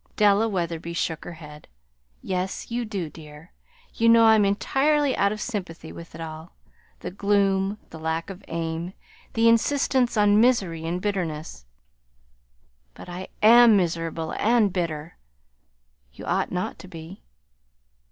Della Wetherby shook her head. "Yes, you do, dear. You know I'm entirely out of sympathy with it all: the gloom, the lack of aim, the insistence on misery and bitterness." "But I AM miserable and bitter." "You ought not to be."